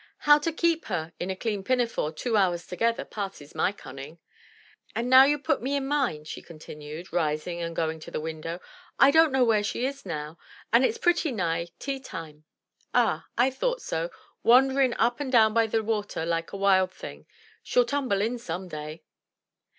How to keep her in a clean pinafore two hours together passes my cunning. An' now you put me in mind," she continued, rising and going to the window, "I don't know where she is now, an' it's pretty nigh tea time. Ah, I thought so, — wanderin' up an' down by the water like a wild thing; she'll tumble in some day."